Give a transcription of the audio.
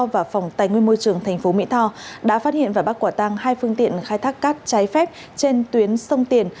và phòng tài nguyên môi trường tp mỹ tho đã phát hiện và bắt quả tăng hai phương tiện khai thác cát trái phép trên tuyến sông tiền